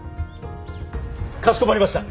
かしこまりました！